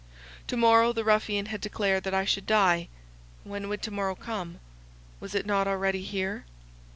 To morrow the ruffian had declared that I should die. When would to morrow come? Was it not already here?